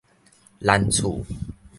難處